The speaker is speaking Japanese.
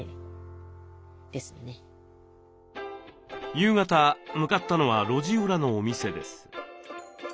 夕方向かったのは路地裏のお店です。